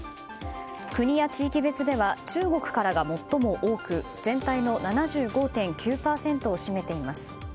国や地域別では中国からが最も多く全体の７５．９％を占めています。